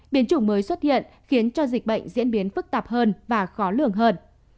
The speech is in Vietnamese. biến chủng mới xuất hiện khiến cho dịch bệnh diễn biến phức tạp hơn và khó lường hơn